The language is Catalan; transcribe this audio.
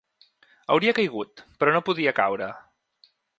Hauria caigut, però no podia caure.